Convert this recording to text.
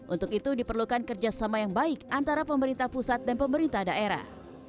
untuk itu diperlukan kerjasama yang baik antara pemerintah pusat dan pemerintah daerah